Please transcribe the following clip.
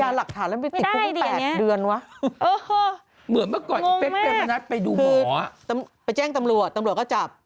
ถ้าหลักฐานแล้วมันไปติดภูมิแปลกเดือนวะโอ้โฮงงแม่คือไปแจ้งตำรวจตำรวจก็จับ